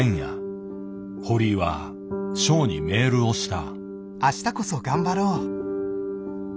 堀井はショウにメールをした。